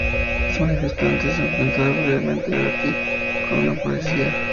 Los manifestantes se enfrentaron brevemente en Batumi con la policía.